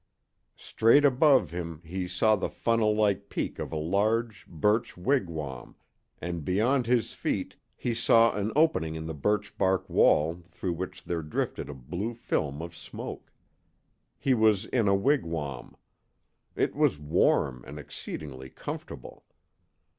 Straight above him he saw the funnel like peak of a large birch wigwam, and beyond his feet he saw an opening in the birch bark wall through which there drifted a blue film of smoke. He was in a wigwam. It was warm and exceedingly comfortable.